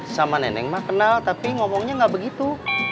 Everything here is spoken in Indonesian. sama neneng mah kenal tapi ngomongnya gak begitu